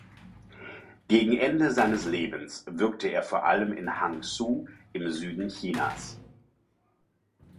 Gegen Ende seines Lebens wirkte vor allem in Hangzhou im Süden Chinas.